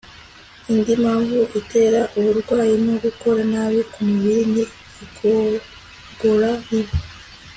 Indi mpamvu itera uburwayi no gukora nabi kumubiri ni igogora ribi